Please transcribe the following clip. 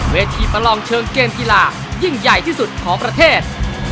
ประลองเชิงเกมกีฬายิ่งใหญ่ที่สุดของประเทศ